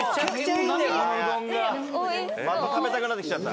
また食べたくなってきちゃった。